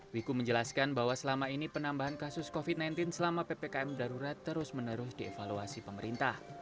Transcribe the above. wiku menjelaskan bahwa selama ini penambahan kasus covid sembilan belas selama ppkm darurat terus menerus dievaluasi pemerintah